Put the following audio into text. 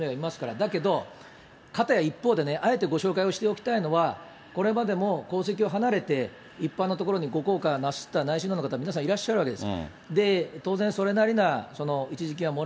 だけど片や一方でね、あえてご紹介をしておきたいのは、これまでも皇籍を離れて、一般のところにご降嫁なすった内親王の方々、皆さん、いらっしゃるわけです。